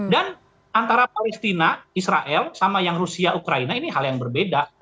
dan antara palestina israel sama yang rusia ukraina ini hal yang berbeda